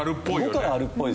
５からあるっぽい。